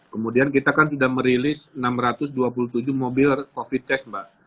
kemudian kita kan sudah merilis enam ratus dua puluh tujuh mobil covid test mbak